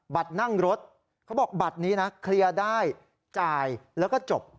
นั่งรถเขาบอกบัตรนี้นะเคลียร์ได้จ่ายแล้วก็จบ